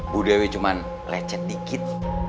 bu dewi cuman lecet dikit